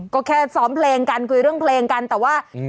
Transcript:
ก็แค่ซ้อมเพลงกันคุยเรื่องเพลงกันแต่ว่า